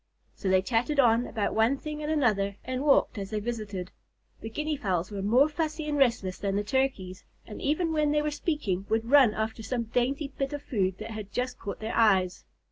So they chatted on about one thing and another, and walked as they visited. The Guinea Fowls were more fussy and restless than the Turkeys, and even when they were speaking would run after some dainty bit of food that had just caught their eyes.